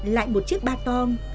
lại một chiếc ba tong